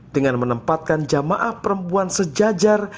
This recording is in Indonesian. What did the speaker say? dengan menempatkan jamaah perempuan sejajar